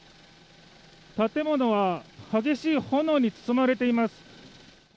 建物は激しい炎に包まれています。